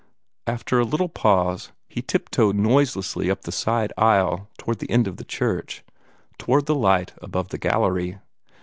After a little pause, he tiptoed noiselessly up the side aisle toward the end of the church toward the light above the gallery.